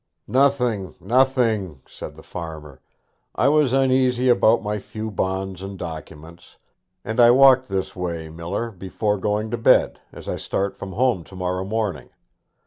'Nothing, nothing!' said the farmer. 'I was uneasy about my few bonds and documents, and I walked this way, miller, before going to bed, as I start from home to morrow morning.